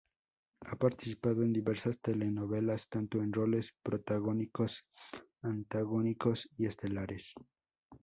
Ha participado en diversas telenovelas tanto en roles protagónicos, antagónicos y estelares.